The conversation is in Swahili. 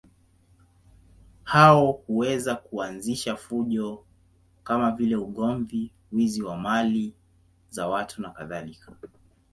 Hao huweza kuanzisha fujo kama vile ugomvi, wizi wa mali za watu nakadhalika.